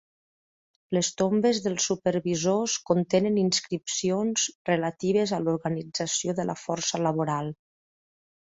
Les tombes dels supervisors contenen inscripcions relatives a l'organització de la força laboral.